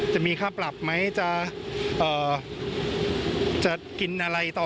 จะมีค่าปรับไหมจะกินอะไรต่อ